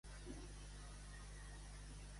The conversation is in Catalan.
Quin càrrec ocupa Armengol?